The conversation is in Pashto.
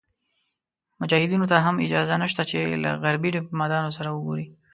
مجاهدینو ته هم اجازه نشته چې له غربي دیپلوماتانو سره وګوري.